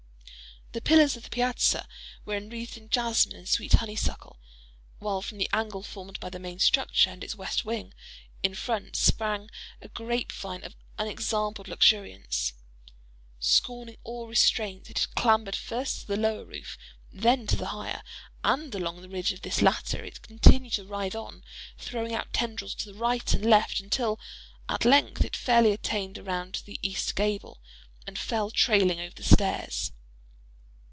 The pillars of the piazza were enwreathed in jasmine and sweet honeysuckle; while from the angle formed by the main structure and its west wing, in front, sprang a grape vine of unexampled luxuriance. Scorning all restraint, it had clambered first to the lower roof—then to the higher; and along the ridge of this latter it continued to writhe on, throwing out tendrils to the right and left, until at length it fairly attained the east gable, and fell trailing over the stairs.